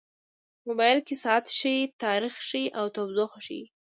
موبایل کې ساعت ښيي، تاریخ ښيي، او تودوخه ښيي.